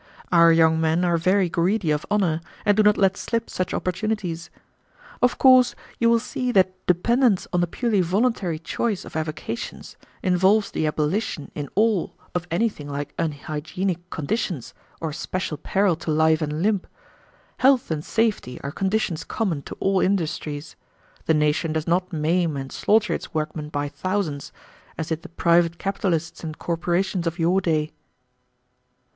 Our young men are very greedy of honor, and do not let slip such opportunities. Of course you will see that dependence on the purely voluntary choice of avocations involves the abolition in all of anything like unhygienic conditions or special peril to life and limb. Health and safety are conditions common to all industries. The nation does not maim and slaughter its workmen by thousands, as did the private capitalists and corporations of your day."